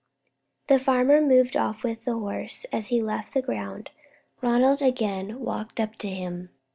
The farmer moved off with the horse. As he left the ground, Ronald again walked up to him.